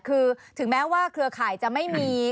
คือถึงแม้ว่าเครือข่ายจะไม่มี